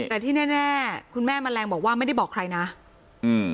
แต่ที่แน่แน่คุณแม่แมลงบอกว่าไม่ได้บอกใครนะอืม